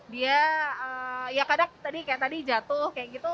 dia ya kadang tadi kayak tadi jatuh kayak gitu